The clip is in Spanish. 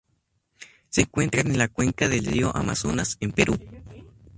Se encuentran en la cuenca del río Amazonas, en Perú.